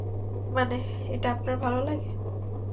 মানে এটা আপনার ভালো লাগে!